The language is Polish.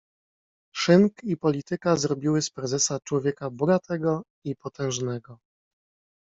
"Szynk i polityka zrobiły z prezesa człowieka bogatego i potężnego."